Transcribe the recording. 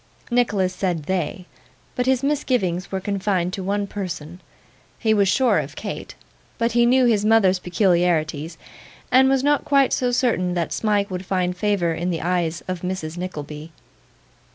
Nicholas said 'they', but his misgivings were confined to one person. He was sure of Kate, but he knew his mother's peculiarities, and was not quite so certain that Smike would find favour in the eyes of Mrs Nickleby.